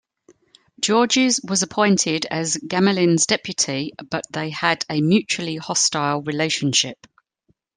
Georges was appointed as Gamelin's deputy but they had a mutually hostile relationship.